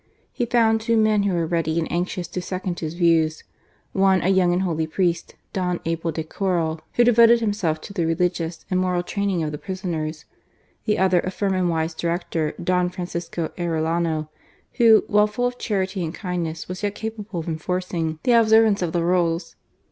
He found two men who were ready and anxious to second his views. One, a young and holy priest, Don Abel de Corral, who WORKS OF CHARITY. 237 devoted himself to the religious and moral training of the prisoners ; the other, a firm and wise director, Don Francisco Arellano, who, while full of charity and kindness, was yet capable of enforcing the observance of the rules.